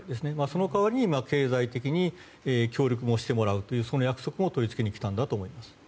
その代わりに経済的に協力もしてもらうというその約束を取り付けに来たんだと思います。